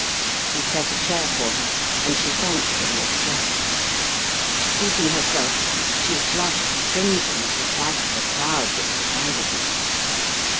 He set a chair for her and she thanked him with a gesture. Seating herself, she blushed crimson at the sight of the crowd that surrounded her.